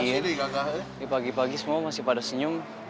ini pagi pagi semua masih pada senyum